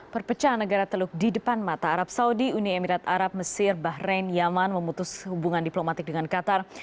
perpecahan negara teluk di depan mata arab saudi uni emirat arab mesir bahrain yaman memutus hubungan diplomatik dengan qatar